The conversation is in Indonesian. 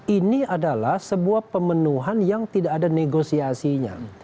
ini adalah sebuah pemenuhan yang tidak ada negosiasinya